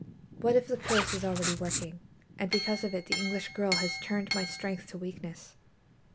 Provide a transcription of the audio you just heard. What if the curse is already working, and because of it the English girl has turned my strength to weakness?